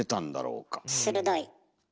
鋭い。